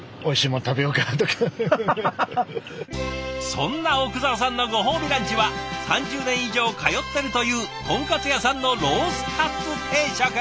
そんな奥澤さんのご褒美ランチは３０年以上通ってるという豚カツ屋さんのロースカツ定食。